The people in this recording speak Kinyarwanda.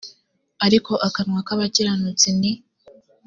ariko akanwa k abakiranutsi ni